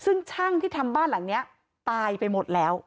ซึ่งช่างที่ทำบ้านหลังนี้ตายไปหมดแล้ว